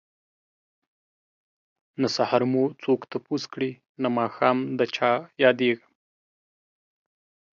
نه سحر مو څوک تپوس کړي نه ماښام ده چه ياديږم